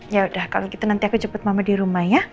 ya udah kalau gitu nanti akan cepat mama di rumah ya